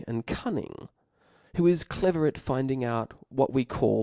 i$f and cunning, who is clever at findmg out what we and »7.